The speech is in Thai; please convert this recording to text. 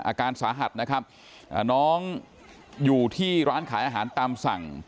อาการสาหัสนะครับน้องอยู่ที่ร้านขายอาหารตามสั่ง